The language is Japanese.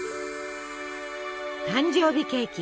誕生日ケーキ。